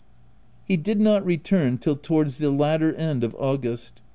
He did not return till towards the latter end of August.